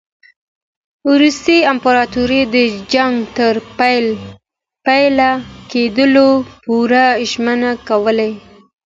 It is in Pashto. روسي امپراطوري د جنګ تر پیل کېدلو پوري ژمنې کولې.